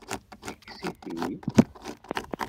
Yekkes-it-id?